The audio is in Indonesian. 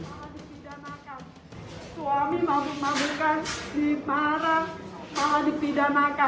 suami mabuk mabukan dimarah malah dipidah makan